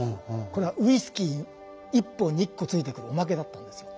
これはウイスキー１本に１個ついてくるおまけだったんですよ。